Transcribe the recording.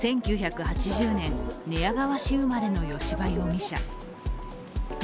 １９８０年、寝屋川市生まれの吉羽容疑者。